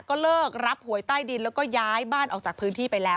ก็เลิกรับหวยใต้ดินแล้วก็ย้ายบ้านออกจากพื้นที่ไปแล้ว